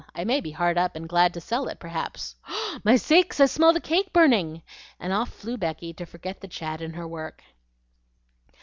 I may be hard up and glad to sell it perhaps. My sakes! I smell the cake burning!" and off flew Becky to forget the chat in her work.